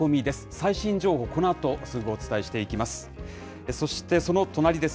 最新情報、このあとすぐお伝えしていきます。